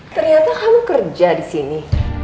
ternyata kamu kerja di sini